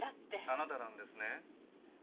あなたなんですね？